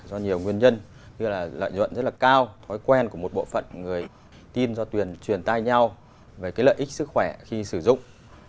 do nhiều nguyên nhân như là lợi nhuận rất là cao thói quen của một bộ phận người tin do tuyên truyền tai nhau về cái lợi ích sức khỏe khi sử dụng